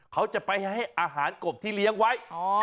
เขาจะไปให้อาหารกบที่เลี้ยงไว้